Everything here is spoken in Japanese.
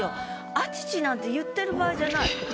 「あちち」なんて言ってる場合じゃない。